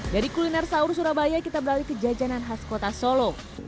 dari kuliner sahur surabaya kita beralih ke jajanan khas kota solo